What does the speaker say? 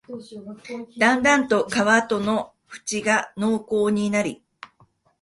だんだんと川との縁が濃厚になり、